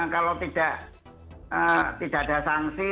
kalau tidak ada sangsi